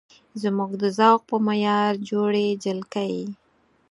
زموږ د ذوق په معیار جوړې جلکۍ